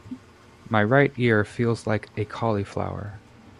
My right ear feels like a cauliflower.